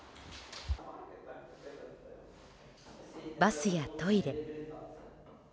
バスやトイレ。